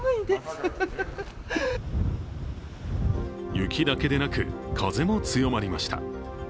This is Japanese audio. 雪だけでなく、風も強まりました。